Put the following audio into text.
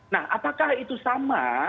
nah apakah itu sama